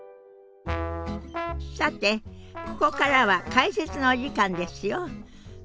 さてここからは解説のお時間ですよ。